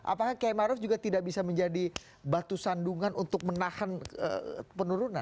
apakah kiai maruf juga tidak bisa menjadi batu sandungan untuk menahan penurunan